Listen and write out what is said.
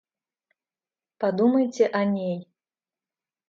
Подумайте о ней!